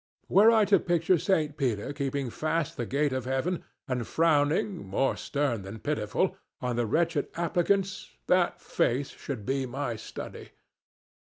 Were I to picture Saint Peter keeping fast the gate of Heaven and frowning, more stern than pitiful, on the wretched applicants, that face should be my study.